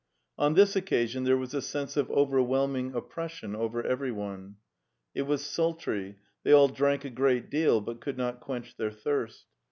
On this occasion 268 The Tales of Chekhov there was a sense of overwhelming oppression over everyone. It was sultry; they all drank a great deal, but could not quench their thirst.